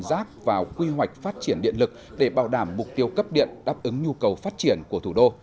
rác vào quy hoạch phát triển điện lực để bảo đảm mục tiêu cấp điện đáp ứng nhu cầu phát triển của thủ đô